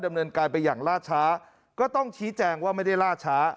ดำเนินการไปอย่างล่าช้าก็ต้องชี้แจงว่าไม่ได้ล่าช้า